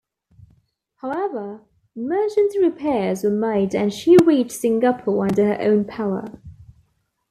However, emergency repairs were made and she reached Singapore under her own power.